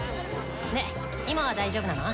で今は大丈夫なの？